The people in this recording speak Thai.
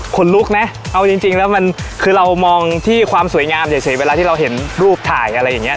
คนลุกนะเอาจริงแล้วมันคือเรามองที่ความสวยงามเฉยเวลาที่เราเห็นรูปถ่ายอะไรอย่างนี้